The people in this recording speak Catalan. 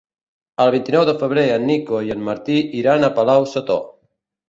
El vint-i-nou de febrer en Nico i en Martí iran a Palau-sator.